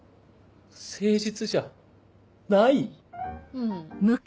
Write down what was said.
うん。